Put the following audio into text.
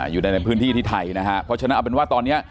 อยู่ในพื้นที่ที่ไทยนะฮะเพราะฉะนั้นเอาเป็นว่าตอนนี้